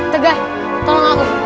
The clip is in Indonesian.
tegar tolong aku